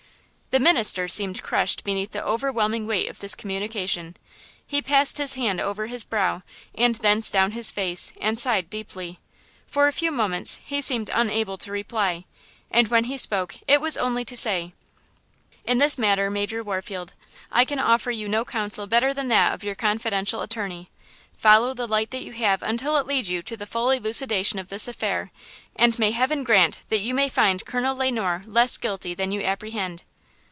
The minister seemed crushed beneath the overwhelming weight of this communication; he passed his hand over his brow and thence down his face and sighed deeply. For a few moments he seemed unable to reply, and when he spoke it was only to say: "In this matter, Major Warfield, I can offer you no counsel better than that of your confidential attorney–follow the light that you have until it lead you to the full elucidation of this affair; and may heaven grant that you may find Colonel Le Noir less guilty than you apprehend."